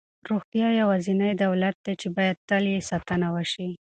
روغتیا یوازینی دولت دی چې باید تل یې ساتنه وشي.